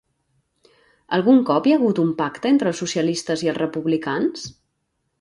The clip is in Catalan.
Algun cop hi ha hagut un pacte entre els socialistes i els republicans?